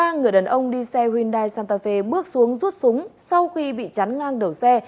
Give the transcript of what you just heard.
ba người đàn ông đi xe hyundai santafe bước xuống rút súng sau khi bị chắn ngang đầu xe